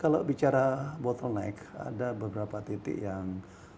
kalau bicara bottleneck ada beberapa titik yang